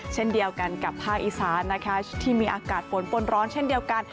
เช่นเดียวกันกับภาคอีสานนะคะที่มีอากาศฝนปนร้อนเช่นเดียวกัน